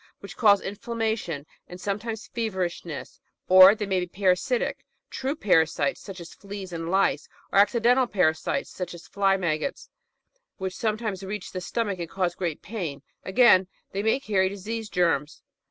which cause inflammation and sometimes f everishness ; or they may be parasitic, either true parasites such as fleas and lice, or accidental parasites, such as fly maggots, which sometimes reach the stomach and cause great pain ; again, they may carry disease germs.